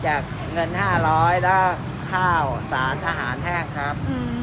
เงิน๕๐๐และข้าวสารทหารแห้งครับ